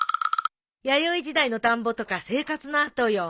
弥生時代の田んぼとか生活の跡よ。